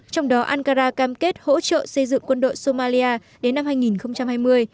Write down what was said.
trong đó ankara cam kết hỗ trợ xây dựng quân đội somali đến năm hai nghìn hai mươi